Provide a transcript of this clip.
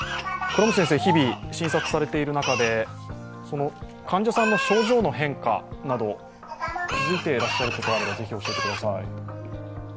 倉持先生、日々診察されている中で、患者さんの症状の変化など、気づいてらっしゃることがあれば、ぜひ、教えてください。